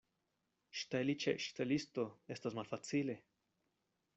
Ŝteli ĉe ŝtelisto estas malfacile.